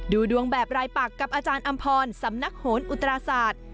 ดูดวงแบบรายปักกับอาจารย์อำพรสำนักโหนอุตราศาสตร์